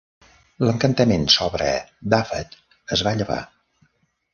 L'encantament sobre Dyfed es va llevar.